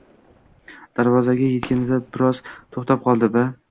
Darvozaga etganda biroz to`xtab qoldi va